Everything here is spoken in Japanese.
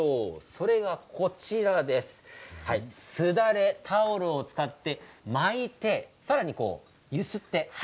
それがこちらすだれ、タオルを使って巻いてさらに揺すって。